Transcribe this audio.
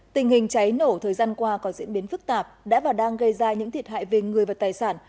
tình hình cháy nổ thời gian qua có diễn biến phức tạp đã và đang gây ra những thiệt hại về người và tài sản